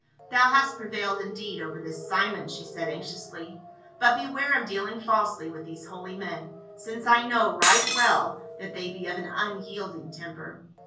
" Thou hast prevailed indeed over this Simon," she said anxiously, " but beware of dealing falsely with these holy men, since I know right well that they be of an unyielding temper."